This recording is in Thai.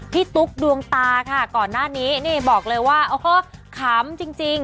ตุ๊กดวงตาค่ะก่อนหน้านี้นี่บอกเลยว่าโอ้โหขำจริง